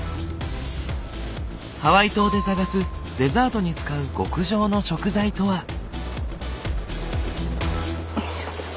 ハワイ島で探すデザートに使う極上の食材とは。